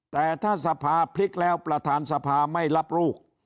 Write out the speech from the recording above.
แต่ถ้าสภาพลิกแล้วประธานสภาไม่รับลูก